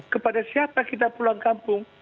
kepada siapa kita pulang kampung